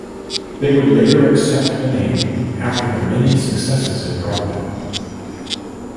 They would later accept the name after the many successes it brought them.